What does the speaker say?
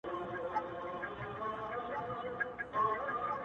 كه كښته دا راگوري او كه پاس اړوي سـترگـي!